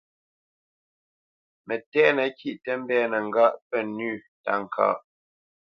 Mətɛ̂nə kîʼ tə mbɛ̂nə́ ŋgâʼ pə́ nʉ̂ táka.